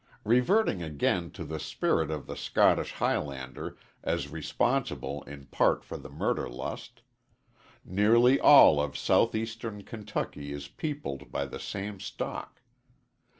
Reverting again to the spirit of the Scottish Highlander as responsible in part for the murder lust: Nearly all of southeastern Kentucky is peopled by the same stock.